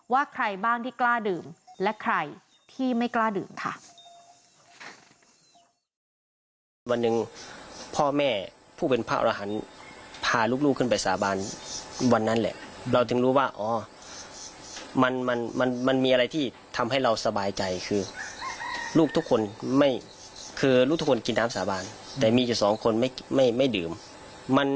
ใครบ้างที่กล้าดื่มและใครที่ไม่กล้าดื่มค่ะ